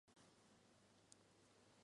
太祖洪武九年改行省为承宣布政使司。